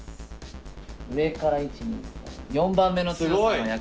上から１・２・３４番目の強さの役です。